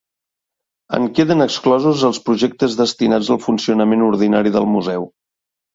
En queden exclosos els projectes destinats al funcionament ordinari del museu.